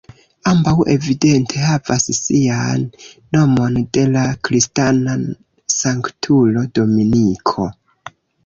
Ambaŭ evidente havas sian nomon de la kristana sanktulo Dominiko.